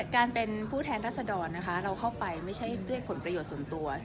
การเป็นผู้แทนรัศดรนะคะเราเข้าไปไม่ใช่ด้วยผลประโยชน์ส่วนตัว